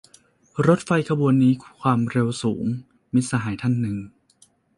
"รถไฟขบวนนี้ความเร็วสูง" - มิตรสหายท่านหนึ่ง